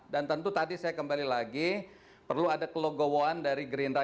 tentu tadi saya kembali lagi perlu ada kelogowoan dari gerindra